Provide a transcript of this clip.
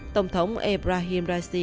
tổng thống ebrahim raisi